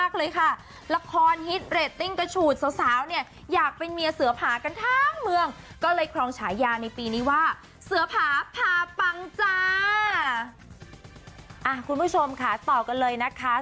คุณผู้ชมค่ะต่อกันเลยนะคะ